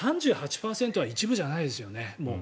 ３８％は一部じゃないですね。